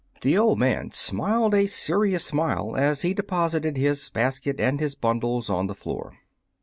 The old man smiled a serious smile as he deposited his basket and his bundles on the floor.